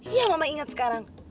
iya mama inget sekarang